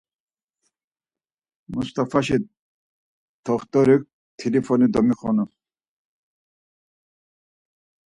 Must̆afaşi t̆oxt̆ori t̆ilifoni domixenu.